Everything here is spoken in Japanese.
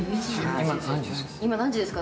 今何時ですか？